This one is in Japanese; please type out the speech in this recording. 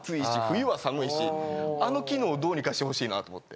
あの機能をどうにかしてほしいなと思って。